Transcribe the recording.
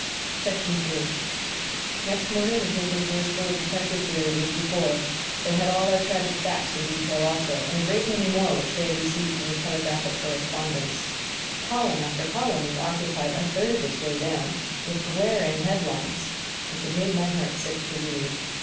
III Next morning the papers were as full of detective theories as before; they had all our tragic facts in detail also, and a great many more which they had received from their telegraphic correspondents. Column after column was occupied, a third of its way down, with glaring head lines, which it made my heart sick to read.